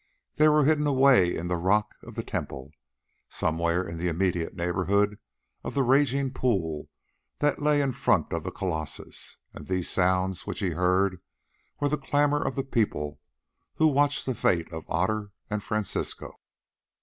They were hidden away in the rock of the temple, somewhere in the immediate neighbourhood of the raging pool that lay in front of the colossus, and these sounds which he heard were the clamour of the people who watched the fate of Otter and Francisco.